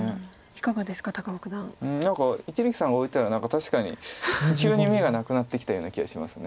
何か一力さんが置いたら確かに急に眼がなくなってきたような気がします。